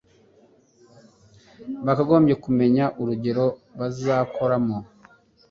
bakagombye kumenya urugero bazikoramo